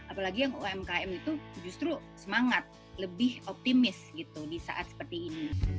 apalagi yang umkm itu justru semangat lebih optimis gitu di saat seperti ini